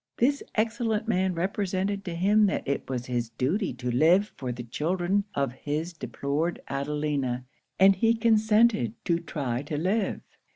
This excellent man represented to him that it was his duty to live for the children of his deplored Adelina; and he consented to try to live.